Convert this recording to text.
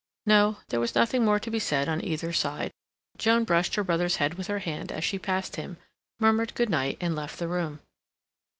No, there was nothing more to be said on either side. Joan brushed her brother's head with her hand as she passed him, murmured good night, and left the room.